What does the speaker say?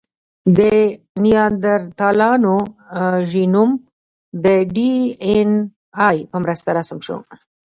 د نیاندرتالانو ژینوم د ډياېناې په مرسته رسم شو.